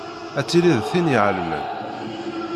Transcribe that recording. Ad tiliḍ d tin iɛelmen.